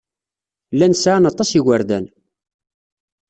Llan sɛan aṭas n yigerdan.